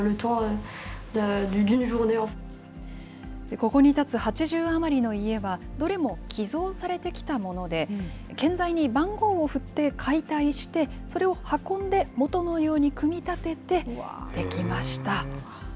ここに建つ８０余りの家は、どれも寄贈されてきたもので、建材に番号を振って解体して、それを運んで、元のように組み立てて出来ました。